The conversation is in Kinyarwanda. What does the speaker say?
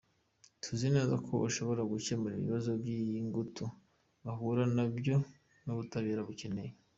Tuzi neza ko ushobora gukemura ibibazo by’ingutu bahura na byo n’ubutabera bakeneye.